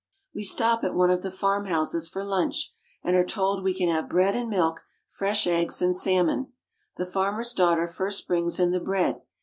We stop at one of the farmhouses for lunch, and are told we can have bread and milk, fresh eggs, and salmon. The farmer's daughter first brings in the bread.